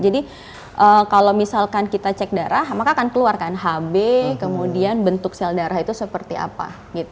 jadi kalau misalkan kita cek darah maka akan keluarkan hb kemudian bentuk sel darah itu seperti apa